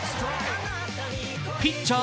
ピッチャー